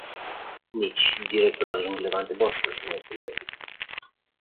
Nici directorul adjunct Levente Borșoș nu este de găsit.